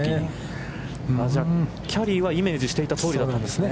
キャリーはイメージしていたとおりだったんですね。